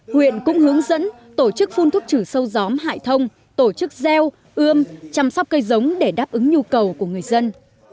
huyện cũng hướng dẫn tổ chức phun thuốc trừ sâu gióm hại thông tổ chức gieo ươm chăm sóc cây giống để đáp ứng nhu cầu của người dân